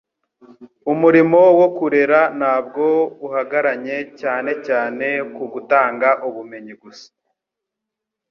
Umurimo wo kurera ntabwo uhagaranye cyane cyane ku gutanga ubumenyi gusa,